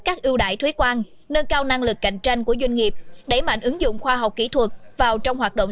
các ưu đại thuế quan nâng cao năng lực cạnh tranh của doanh nghiệp đẩy mạnh ứng dụng khoa học kỹ thuật vào trong hoạt động